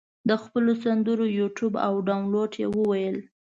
د خپلو سندرو یوټیوب او دانلود یې وویل.